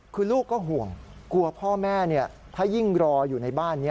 คือลูกก็ห่วงกลัวพ่อแม่ถ้ายิ่งรออยู่ในบ้านนี้